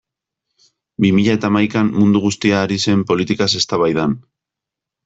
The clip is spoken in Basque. Bi mila eta hamaikan mundu guztia ari zen politikaz eztabaidan.